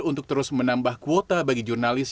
untuk terus menambah kuota bagi jurnalis